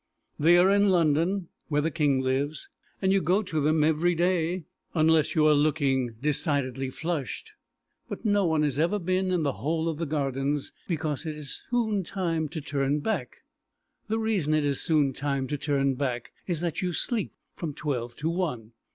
They are in London, where the King lives, and you go to them every day unless you are looking decidedly flushed, but no one has ever been in the whole of the Gardens, because it is so soon time to turn back. The reason it is soon time to turn back is that you sleep from twelve to one.